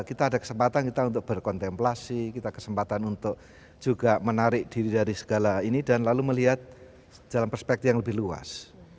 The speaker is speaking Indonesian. kita ada kesempatan kita untuk berkontemplasi kita kesempatan untuk juga menarik diri dari segala ini dan lalu melihat dalam perspektif yang lebih luas